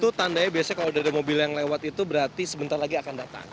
itu tandanya biasanya kalau dari mobil yang lewat itu berarti sebentar lagi akan datang